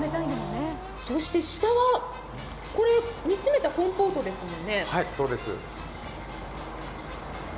そして下は、煮詰めたコンポートですもんね。